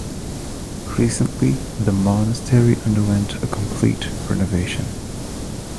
Recently, the monastery underwent a complete renovation.